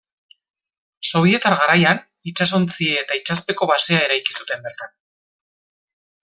Sobietar garaian, itsasontzi eta itsaspeko basea eraiki zuten bertan.